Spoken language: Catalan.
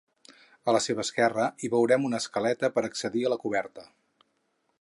A la seva esquerra hi veurem una escaleta per accedir a la coberta.